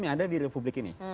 yang ada di republik ini